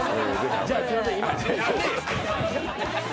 じゃ、すいません、今。